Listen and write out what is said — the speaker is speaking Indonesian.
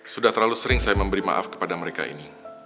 sudah terlalu sering saya memberi maaf kepada mereka ini